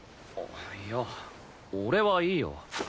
いや俺はいいよ。